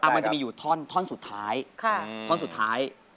เตอร์มอนต์จะมีอยู่ท่อนสุดท้าย